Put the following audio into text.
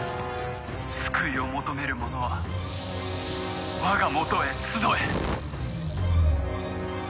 「救いを求める者は我がもとへ集え！」